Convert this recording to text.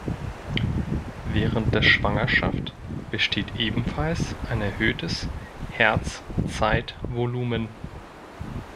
Während der Schwangerschaft besteht ebenfalls ein erhöhtes Herzzeitvolumen.